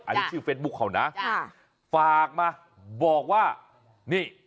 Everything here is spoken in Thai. อันนี้ชื่อเฟซบุ๊คเขานะฝากมาบอกว่านี่